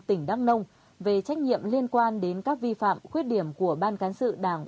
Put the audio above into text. tỉnh đắk nông về trách nhiệm liên quan đến các vi phạm khuyết điểm của ban cán sự đảng